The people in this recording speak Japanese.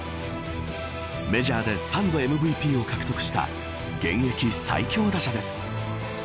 メジャーで３度ＭＶＰを獲得した現役最強打者です。